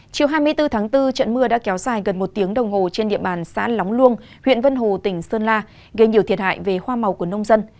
chiều hai mươi bốn tháng bốn trận mưa đã kéo dài gần một tiếng đồng hồ trên địa bàn xã lóng luông huyện vân hồ tỉnh sơn la gây nhiều thiệt hại về hoa màu của nông dân